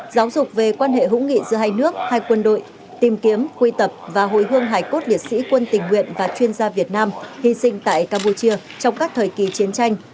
giáo dục về quan hệ hữu nghị giữa hai nước hai quân đội tìm kiếm quy tập và hồi hương hải cốt liệt sĩ quân tình nguyện và chuyên gia việt nam hy sinh tại campuchia trong các thời kỳ chiến tranh